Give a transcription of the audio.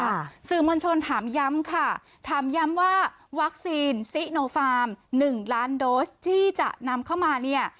สื่อมวลชนถามย้ำค่ะถามย้ำว่าวัคซีนซิโนฟาร์มหนึ่งล้านโดสที่จะนำเข้ามาเนี่ย